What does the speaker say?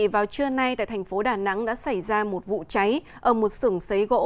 vào trưa nay tại thành phố đà nẵng đã xảy ra một vụ cháy ở một sưởng xấy gỗ